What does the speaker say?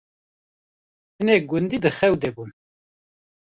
hinek gundî di xew de bûn